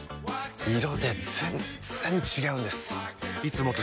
色で全然違うんです！